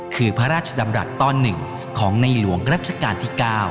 คือพระราชดำรัฐตอน๑ของในหลวงรัชกาลที่๙